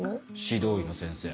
指導医の先生。